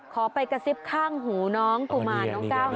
ขอไปกระซิบข้างหูน้องกุมารน้องก้าวหน่อยแล้วกัน